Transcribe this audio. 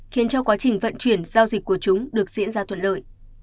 khiến cho quá trình vận chuyển giao dịch của chúng được diễn ra thuận lợi